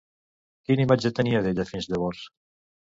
Quina imatge tenia d'ella fins llavors?